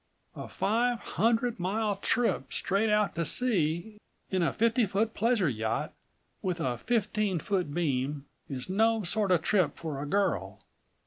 A five hundred mile trip straight out to sea in a fifty foot pleasure yacht with a fifteen foot beam, is no sort of trip for a girl.